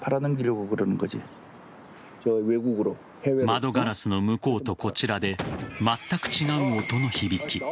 窓ガラスの向こうとこちらでまったく違う音の響き。